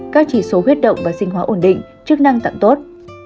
các chỉ số huyết động và sinh hóa ổn định chức năng tặng tốt